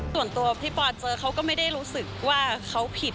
ส่วนตัวพี่ปอเจอเขาก็ไม่ได้รู้สึกว่าเขาผิด